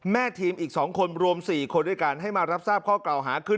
แม่ทีมอีกสองคนรวมสี่คนด้วยการให้มารับทราบข้อเก่าหาคือ